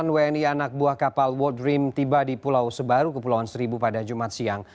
delapan wni anak buah kapal world dream tiba di pulau sebaru kepulauan seribu pada jumat siang